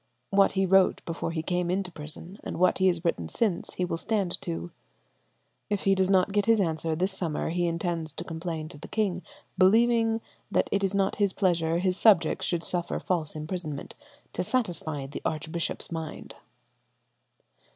What he wrote before he came into prison and what he has written since he will stand to. ... If he does not get his answer this summer he intends to complain to the king, believing that it is not his pleasure his subjects should suffer false imprisonment to satisfy the archbishop's mind."